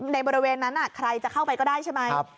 ในบริเวณนั้นใครจะเข้าไปก็ได้ใช่ไหม